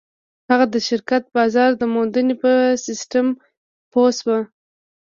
هغه د شرکت د بازار موندنې په سيسټم پوه شو.